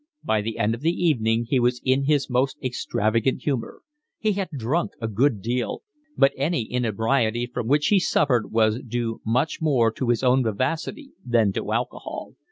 By the end of the evening he was in his most extravagant humour. He had drunk a good deal, but any inebriety from which he suffered was due much more to his own vivacity than to alcohol.